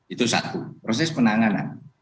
itu satu proses penanganan